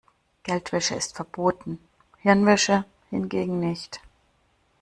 Geldwäsche ist verboten, Hirnwäsche hingegen nicht.